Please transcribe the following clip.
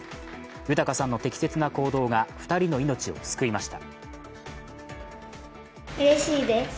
豊さんの適切な救助が２人の命を救いました。